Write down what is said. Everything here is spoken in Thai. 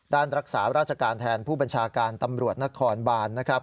รักษาราชการแทนผู้บัญชาการตำรวจนครบานนะครับ